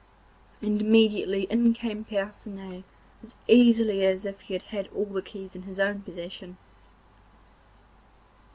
And immediately in came Percinet as easily as if he had all the keys in his own possession.